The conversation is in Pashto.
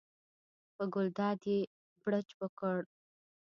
په ګلداد یې بړچ وکړ.